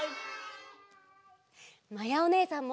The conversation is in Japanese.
まやおねえさんも！